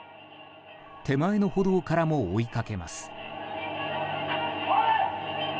手前の歩道からも追いかけます。